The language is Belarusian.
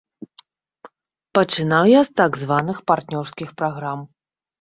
Пачынаў я з так званых партнёрскіх праграм.